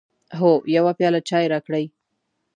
هو، یو پیاله چای راکړئ